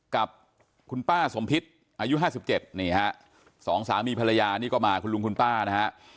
กับคุณป้าสมพิษอายุ๕๗นี่ฮะสองสามีภรรยานี่ก็มาคุณลุงคุณป้านะฮะ